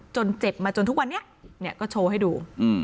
เจ็บมาจนทุกวันนี้ก็โชว์ให้ดู